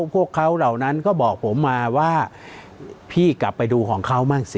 พวกเขาเหล่านั้นก็บอกผมมาว่าพี่กลับไปดูของเขาบ้างสิ